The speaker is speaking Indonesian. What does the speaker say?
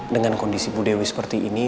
dengan kondisi bu dewi seperti ini